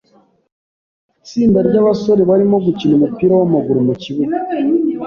Itsinda ryabasore barimo gukina umupira wamaguru mu kibuga.